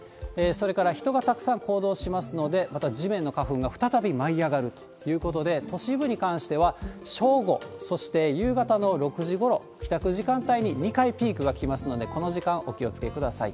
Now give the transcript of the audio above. それから人がたくさん行動しますので、また地面の花粉が再び舞い上がるということで、都市部に関しては、正午、そして夕方の６時ごろ、帰宅時間帯に２回ピークが来ますので、この時間、お気をつけください。